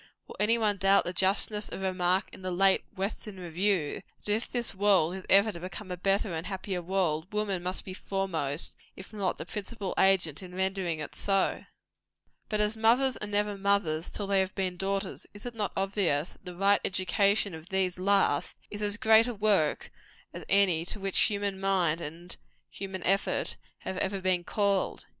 Will any one doubt the justness of a remark in the late "Western Review," that if this world is ever to become a better and a happier world, woman must be foremost, if not the principal agent in rendering it so? But as mothers are never mothers till they have been daughters, is it not obvious that the right education of these last is as great a work as any to which human mind and human effort have ever been called?